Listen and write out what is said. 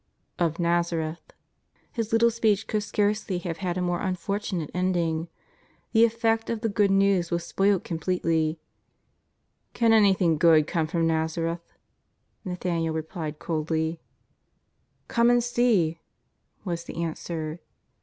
" Of Xazareth." His little speech could scarcely have had a more unfortunate ending, the effect of the good news was spoilt completely. " Can anything good come from Xazareth ?" N'a thaniel replied coldly. " Come and see," was the answer.